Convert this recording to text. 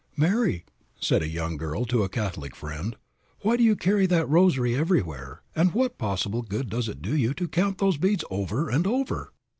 "Mary," said a young girl to a Catholic friend, "why do you carry that rosary everywhere, and what possible good does it do you to count those beads over and over?"